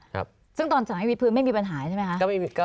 ครับซึ่งตอนสั่งให้วิดพื้นไม่มีปัญหาใช่ไหมคะ